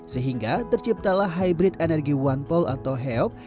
sehingga terciptalah hybrid energy one pole atau heop